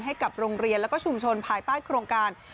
ให้กับโรงเรียนและชุมชนภายใต้โครงการ